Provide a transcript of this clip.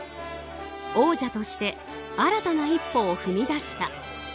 王者として新たな一歩を踏み出した。